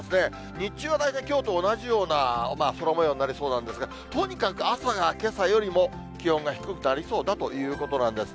日中は大体きょうと同じような空もようになりそうなんですが、とにかく朝が、けさよりも気温が低くなりそうだということなんですね。